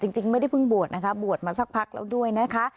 จริงไม่ได้เพิ่งบวชนะคะบวชมาสักพักแล้วด้วยนะคะ